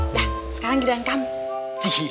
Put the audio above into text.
dah sekarang giliran kamu